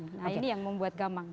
nah ini yang membuat gamang